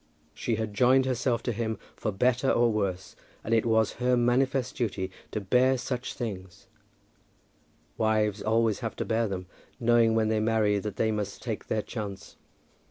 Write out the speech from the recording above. She had joined herself to him for better or worse, and it was her manifest duty to bear such things; wives always have to bear them, knowing when they marry that they must take their chance.